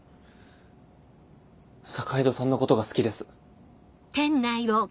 坂井戸さんのことが好きです。